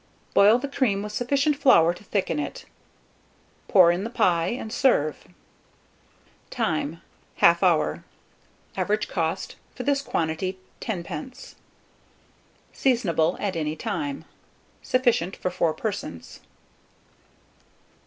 Boil the cream with sufficient flour to thicken it; pour in the pie, and serve. Time. 1/2 hour. Average cost for this quantity, 10d. Seasonable at any time. Sufficient for 4 persons.